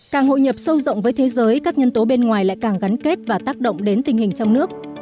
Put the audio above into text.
càng hội nhập sâu rộng với thế giới các nhân tố bên ngoài lại càng gắn kết và tác động đến tình hình trong nước